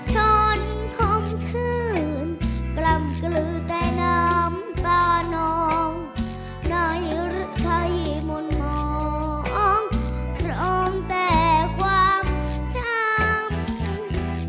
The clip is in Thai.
ชนคมคืนกล่ำกลือแต่น้ำตาน้องในหรือใครมนต์มองเสริมแต่ความทรัพย์